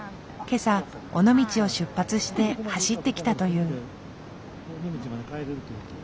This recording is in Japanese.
今朝尾道を出発して走ってきたという。